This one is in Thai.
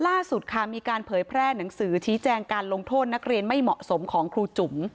ล่าสุดค่ะมีการเผยแพร่หนังสือชี้แจงการลงโทษนักเรียนไม่เหมาะสมของครูจุ๋ม